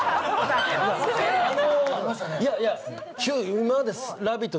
今まで「ラヴィット！」